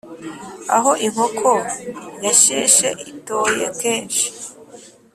Aho inkoko yasheshe itoye kenshi.